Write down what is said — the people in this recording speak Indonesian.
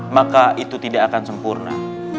maka itu tidak akan sempurna